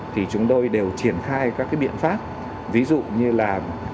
thì chúng tôi đều triển khai các cái biện pháp ví dụ như là